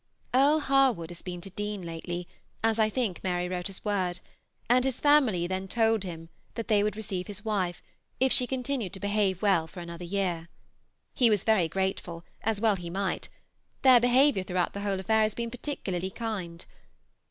Earle Harwood has been to Deane lately, as I think Mary wrote us word, and his family then told him that they would receive his wife, if she continued to behave well for another year. He was very grateful, as well he might; their behavior throughout the whole affair has been particularly kind.